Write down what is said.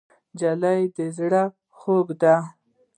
نجلۍ زړه خوږه ده.